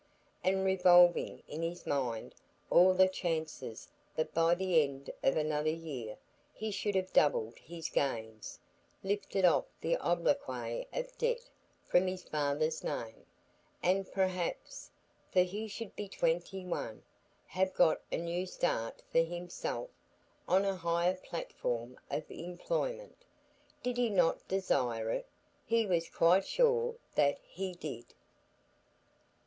and revolving in his mind all the chances that by the end of another year he should have doubled his gains, lifted off the obloquy of debt from his father's name, and perhaps—for he should be twenty one—have got a new start for himself, on a higher platform of employment. Did he not desire it? He was quite sure that he did.